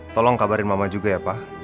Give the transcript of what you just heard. tolong kabarin mama juga ya pak